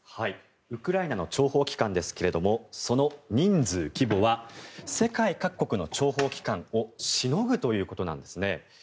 ウクライナの諜報機関ですがその人数、規模は世界各国の諜報機関をしのぐということなんですね。